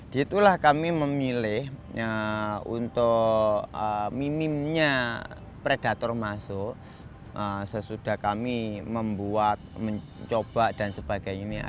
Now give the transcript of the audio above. di itulah kami memilih untuk minimnya predator masuk sesudah kami membuat mencoba dan sebagainya